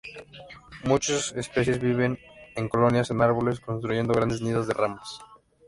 Muchos especies viven en colonias en árboles, construyendo grandes nidos de ramas.